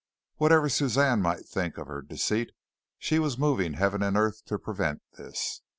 Whatever Suzanne might think of her deceit, she was moving Heaven and earth to prevent this.